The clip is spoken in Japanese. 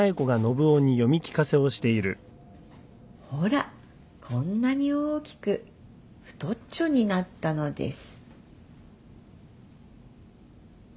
「ほらこんなにおおきくふとっちょになったのです」